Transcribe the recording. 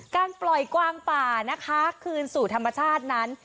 การปล่อยกวางป่านะคะคืนสู่ธรรมชาตินั้น